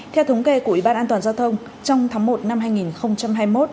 theo thống kê của ủy ban an toàn giao thông trong tháng một năm hai nghìn hai mươi một